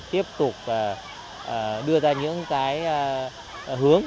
tiếp tục đưa ra những cái hướng